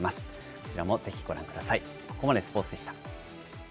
こちらもぜひご覧ください。